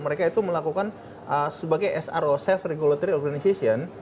mereka itu melakukan sebagai sro safe regulatory organization